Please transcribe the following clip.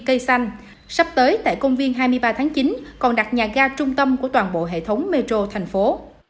cây xanh sắp tới tại công viên hai mươi ba tháng chín còn đặt nhà ga trung tâm của toàn bộ hệ thống metro thành phố